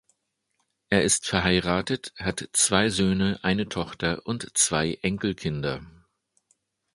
Er ist verheiratet, hat zwei Söhne, eine Tochter und zwei Enkelkinder.